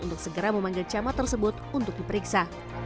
untuk segera memanggil camat tersebut untuk diperiksa